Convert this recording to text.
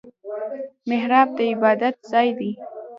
محراب د عبادت ځای دی